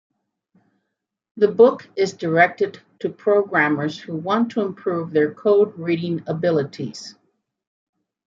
The book is directed to programmers who want to improve their code reading abilities.